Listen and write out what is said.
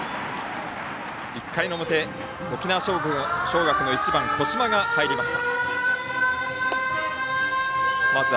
１回の表、沖縄尚学の１番後間が入りました。